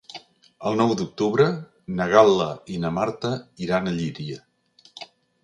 El nou d'octubre na Gal·la i na Marta iran a Llíria.